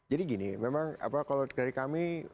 jadi gini memang kalau dari kami